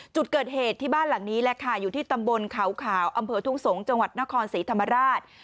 จุดเกิดเหตุที่บ้านหลังนี้แหละค่ะอยู่ที่ตำบลเขาขาวอำเภอทุ่งสงศ์จังหวัดนครศรีธรรมราช